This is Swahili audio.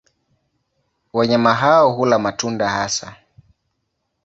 Wanyama hao hula matunda hasa.